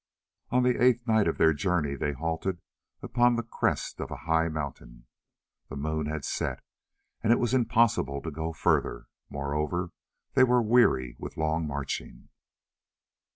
On the eighth night of their journey they halted upon the crest of a high mountain. The moon had set, and it was impossible to go further; moreover, they were weary with long marching.